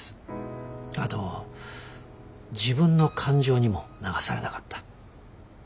あと自分の感情にも流されなかった。